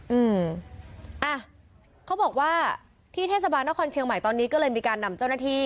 อืมอ่ะเขาบอกว่าที่เทศบาลนครเชียงใหม่ตอนนี้ก็เลยมีการนำเจ้าหน้าที่